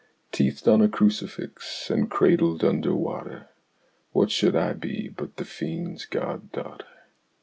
Teethed on a crucifix and cradled under water, What should I be but the fiend's god daughter?